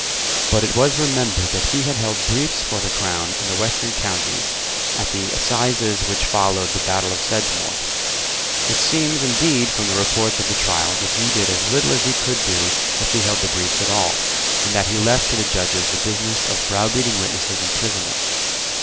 But it was remembered that he had held briefs for the Crown, in the Western counties, at the assizes which followed the battle of Sedgemoor. It seems indeed from the reports of the trials that he did as little as he could do if he held the briefs at all, and that he left to the Judges the business of browbeating witnesses and prisoners.